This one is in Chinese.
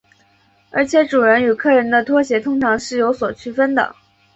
而且主人与客人的拖鞋通常是有所区分的。